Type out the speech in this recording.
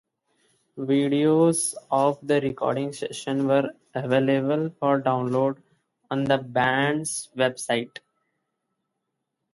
Videos of the recording sessions were available for download on the band's website.